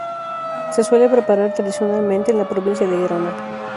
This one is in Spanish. Se suele preparar tradicionalmente en la provincia de Gerona.